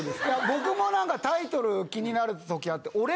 僕もなんかタイトル気になるときあって。